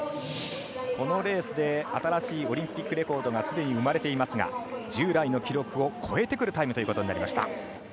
このレースで新しいオリンピックレコードがすでに生まれていますが従来の記録を超えてくるタイムということになりました。